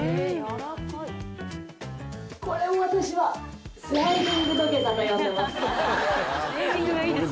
これを私はスライディング土下座と呼んでます。